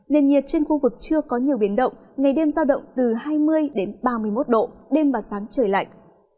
nền nhiệt trên khu vực chưa có nhiều biến động ngày đêm giao động từ hai mươi ba mươi một độ đêm và sáng trời lạnh